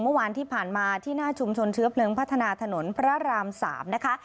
เมื่อวานที่ผ่านมาที่หน้าชุมชนเชื้อเพลิงพัฒนาถนนพระราม๓นะคะ